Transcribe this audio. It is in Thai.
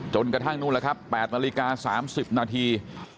จนกระทั่งนู้นแล้วครับ๘นาฬิกา๓๐นาที